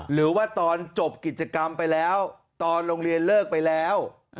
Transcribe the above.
หรือว่าตอนจบกิจกรรมไปแล้วตอนโรงเรียนเลิกไปแล้ว